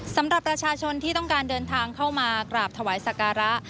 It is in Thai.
สำหรับประชาชนที่ต้องการเดินทางเข้ามากราบถวายสการะ